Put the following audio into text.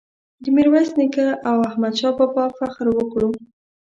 د میرویس نیکه او احمد شاه بابا فخر وکړو.